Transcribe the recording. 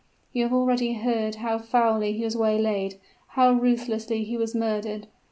You have already heard how foully he was waylaid, how ruthlessly he was murdered!